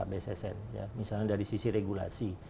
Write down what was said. bssn misalnya dari sisi regulasi